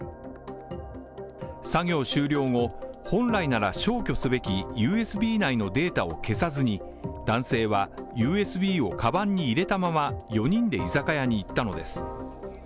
作業終了後、本来なら消去すべきＵＳＢ内のデータを消さずに、男性はＵＳＢをかばんに入れたまま４人で居酒屋に行ったのです。